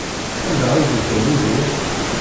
Anda ay d-ufan Yidir?